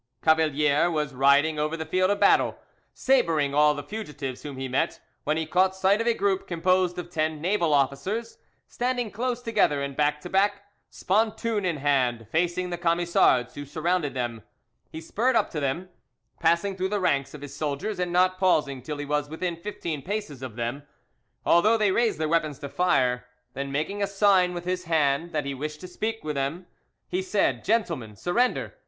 Cavalier was riding over the field of battle, sabring all the fugitives whom he met, when he caught sight of a group, composed of ten naval officers; standing close together and back to back, spontoon in hand, facing the Camisards, who surrounded them. He spurred up to them, passing through the ranks of his soldiers, and not pausing till he was within fifteen paces of them, although they raised their weapons to fire. Then making a sign with his hand that he wished to speak to them, he said, "Gentlemen, surrender.